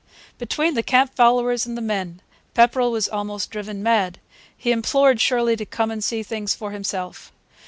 Between the camp followers and the men Pepperrell was almost driven mad. He implored Shirley to come and see things for himself.